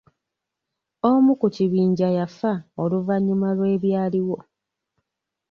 Omu ku kibinja yafa oluvannyuma lw'ebyaliwo.